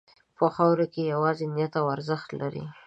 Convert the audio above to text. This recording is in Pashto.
په خاوره کې یوازې نیت ارزښت لري.